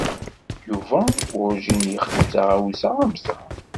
Yuba werǧin yexdim taɣawsa am ta.